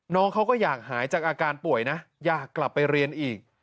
น้องเขาก็อยากหายจากอาการป่วยนะอยากกลับไปเรียนอีก